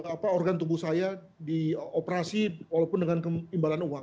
apa organ tubuh saya dioperasi walaupun dengan keimbalan uang